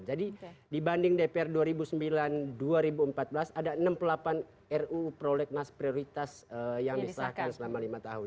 jadi dibanding dpr dua ribu sembilan dua ribu empat belas ada enam puluh delapan ru proyek nas prioritas yang disahkan selama lima tahun